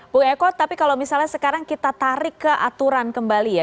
bu eko tapi kalau misalnya sekarang kita tarik ke aturan kembali ya